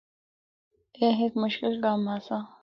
اے ہک مشکل کم آسا۔